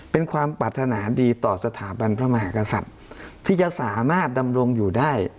เป็นความปรารถนาดีต่อสถาบันพระมหากษัตริย์ที่จะสามารถดำรงอยู่ได้